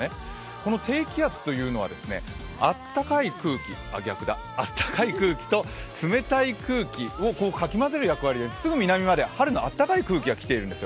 この低気圧というのはあったかい空気と冷たい空気をかき混ぜる役割で、すぐ南まで春のあったかい空気が来ているんですよ。